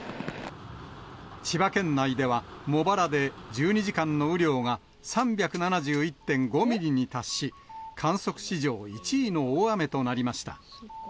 千葉県内では、茂原で１２時間の雨量が３７１．５ミリに達し、観測史上１位の大雨となりました。